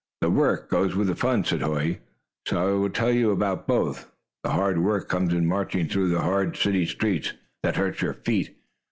"The work goes with the fun," said Hoy, "so I will tell you about both. The hard work comes in marching through the hard city streets, that hurt your feet.